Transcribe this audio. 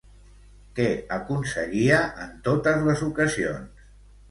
Què aconseguia en totes les ocasions?